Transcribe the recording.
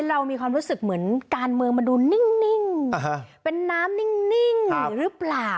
เรามีความรู้สึกเหมือนการเมืองมันดูนิ่งเป็นน้ำนิ่งหรือเปล่า